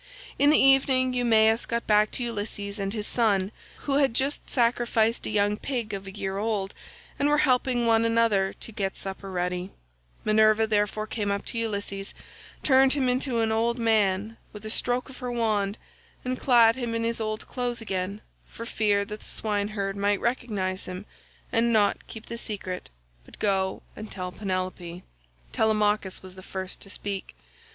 In the evening Eumaeus got back to Ulysses and his son, who had just sacrificed a young pig of a year old and were helping one another to get supper ready; Minerva therefore came up to Ulysses, turned him into an old man with a stroke of her wand, and clad him in his old clothes again, for fear that the swineherd might recognise him and not keep the secret, but go and tell Penelope. Telemachus was the first to speak.